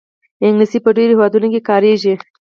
انګلیسي په ډېرو هېوادونو کې کارېږي